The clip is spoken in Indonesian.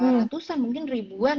ratusan mungkin ribuan